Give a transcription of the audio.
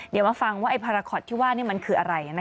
เดี๋ยวมาฟังว่าไอพาราคอตที่ว่ามันคืออะไร